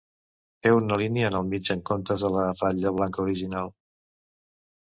Té una línia en el mig en comptes de la ratlla blanca original.